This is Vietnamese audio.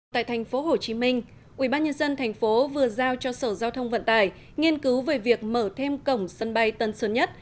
tại tp hcm ubnd tp vừa giao cho sở giao thông vận tải nghiên cứu về việc mở thêm cổng sân bay tân sơn nhất